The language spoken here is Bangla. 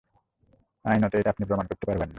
আইনত এটা আপনি প্রমাণ করতে পারবেন না।